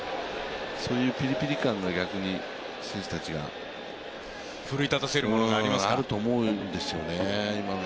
そういうピリピリ感が逆に選手たちを奮い立たせる感じがあると思うんですよね。